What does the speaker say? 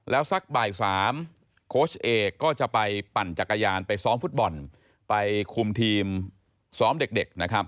แล้วสักบ่าย๓โค้ชเอกก็จะไปปั่นจักรยานไปซ้อมฟุตบอลไปคุมทีมซ้อมเด็กนะครับ